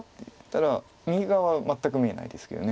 ただ右側は全く見えないですけど。